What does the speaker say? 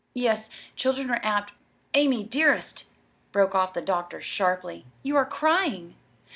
"Yes, children are apt Amy, dearest!" broke off the doctor, sharply, "you are crying!"